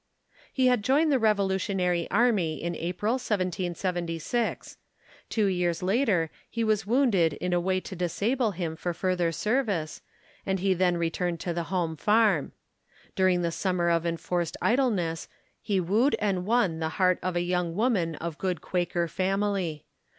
He had joined the Revolutionary Army in April, 1776. Two years later he was wounded in a way to disable him for further service, and he then returned to the home farm. During the summer of enforced idleness he wooed and won the heart of a young woman of good Quaker family.